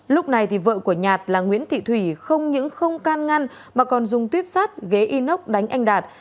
lúc này vợ của nhạt là nguyễn thị thủy không những không can ngăn mà còn dùng tuyếp sắt ghế inox đánh anh đạt